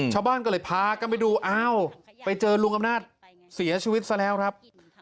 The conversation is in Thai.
ชาวบ้านก็เลยพากันไปดูอ้าวไปเจอลุงอำนาจเสียชีวิตซะแล้วครับ